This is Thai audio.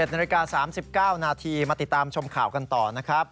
๑นาฬิกา๓๙นาทีมาติดตามชมข่าวกันต่อนะครับ